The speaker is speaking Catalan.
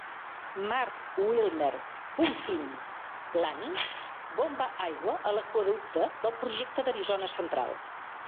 Mark Wilmer Pumping Plant bomba aigua a l'aqüeducte del projecte d'Arizona Central.